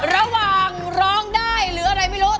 ร้องได้หรืออะไรไม่รู้